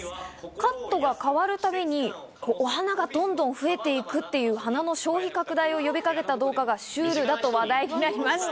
カットが変わるたびに、お花がどんどん増えていくっていう花の消費拡大を呼びかけた動画がシュールだと話題になりました。